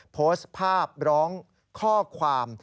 โพสต์ภาพร้องข้อความ